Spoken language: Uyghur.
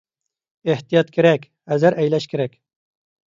ئېھتىيات كېرەك! ھەزەر ئەيلەش كېرەك!